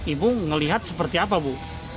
ibu melihat seperti apa bu